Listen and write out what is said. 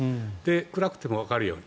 暗くてもわかるように。